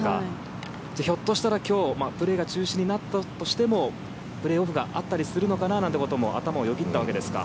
ひょっとしたら今日プレーが中止になったとしてもプレーオフがあったりするかなということもよぎったりしたんですか。